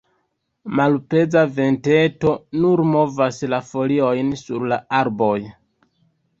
Malpeza venteto nur movas la foliojn sur la arboj.